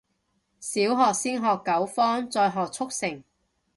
小學先學九方，再學速成